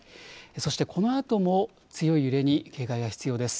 そしてこのあとも強い揺れに警戒が必要です。